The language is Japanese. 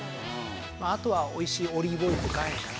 「あとはおいしいオリーブオイルと岩塩かな」